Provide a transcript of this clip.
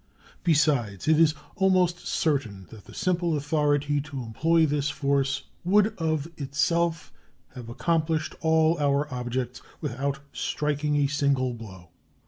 Besides, it is almost certain that the simple authority to employ this force would of itself have accomplished all our objects without striking a single blow.